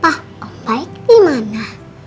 pah om baik dimana